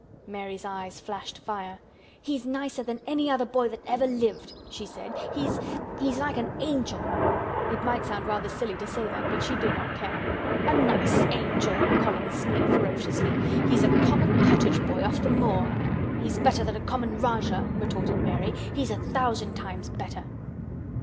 Mary's eyes flashed fire. "He's nicer than any other boy that ever lived!" she said. "He's—he's like an angel!" It might sound rather silly to say that but she did not care. "A nice angel!" Colin sneered ferociously. "He's a common cottage boy off the moor!" "He's better than a common Rajah!" retorted Mary. "He's a thousand times better!"